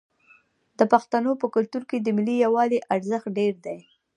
د پښتنو په کلتور کې د ملي یووالي ارزښت ډیر دی.